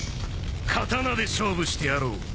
刀で勝負してやろう。